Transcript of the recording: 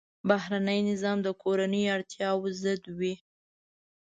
بهرنی نظام د کورنیو اړتیاوو ضد وي.